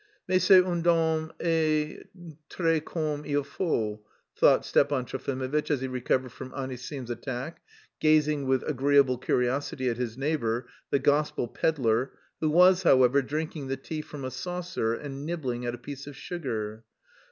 "Mais c'est une dame et très comme il faut," thought Stepan Trofimovitch, as he recovered from Anisim's attack, gazing with agreeable curiosity at his neighbour, the gospel pedlar, who was, however, drinking the tea from a saucer and nibbling at a piece of sugar.